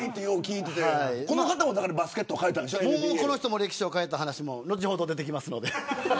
この方もバスケ歴史を変えた話も後ほど出てきます。